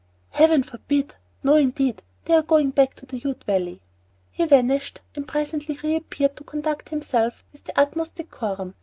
"Heaven forbid! No indeed, they are going back to the Ute Valley." He vanished, and presently re appeared to conduct himself with the utmost decorum.